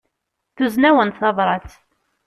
Tuzen-awen-d tabrat.